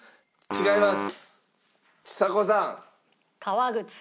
違います。